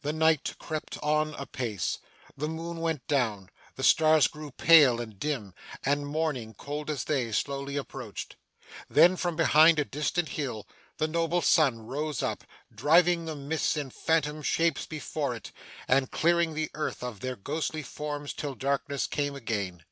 The night crept on apace, the moon went down, the stars grew pale and dim, and morning, cold as they, slowly approached. Then, from behind a distant hill, the noble sun rose up, driving the mists in phantom shapes before it, and clearing the earth of their ghostly forms till darkness came again.